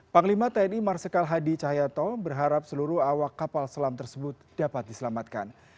panglima tni marsikal hadi cahayato berharap seluruh awak kapal selam tersebut dapat diselamatkan